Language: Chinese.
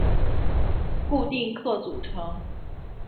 固定客组成。